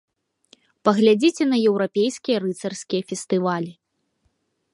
Паглядзіце на еўрапейскія рыцарскія фестывалі.